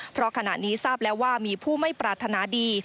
เพราะขณะนี้ทราบแล้วว่ามีผู้ไม่ปรารถนาดี